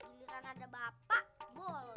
giliran ada bapak boleh